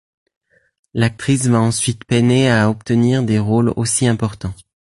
L'actrice va ensuite peiner à obtenir des rôles aussi importants.